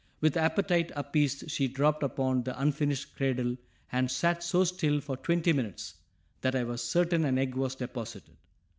With appetite appeased she dropped upon the unfinished cradle and sat so still for twenty minutes that I was certain an egg was deposited.